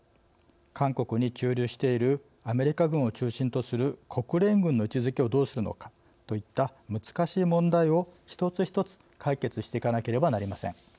韓国に駐留しているアメリカ軍を中心とする国連軍の位置づけをどうするのかといった難しい問題を一つ一つ解決していかねばなりません。